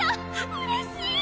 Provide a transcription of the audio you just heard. うれしい！